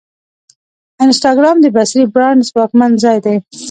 انسټاګرام د بصري برانډ ځواکمن ځای دی.